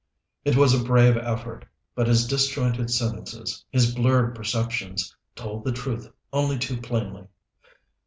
It was a brave effort; but his disjointed sentences, his blurred perceptions, told the truth only too plainly.